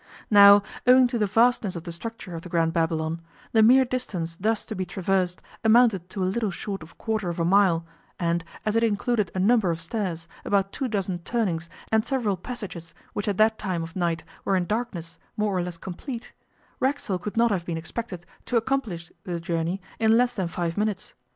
Now, owing to the vastness of the structure of the Grand Babylon, the mere distance thus to be traversed amounted to a little short of a quarter of a mile, and, as it included a number of stairs, about two dozen turnings, and several passages which at that time of night were in darkness more or less complete, Racksole could not have been expected to accomplish the journey in less than five minutes.